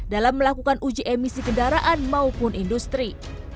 dalam melakukan uji emisi kendaraan maupun industri